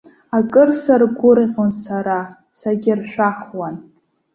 Акы саргәырӷьон сара, сагьаршәахуан.